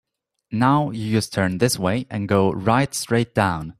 Now you just turn this way and go right straight down.